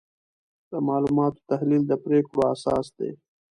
د معلوماتو تحلیل د پریکړو اساس دی.